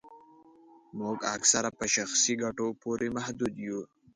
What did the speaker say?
موږ اکثره په شخصي ګټو پوري محدود یو